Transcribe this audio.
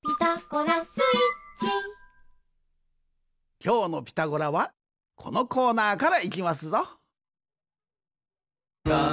きょうの「ピタゴラ」はこのコーナーからいきますぞ！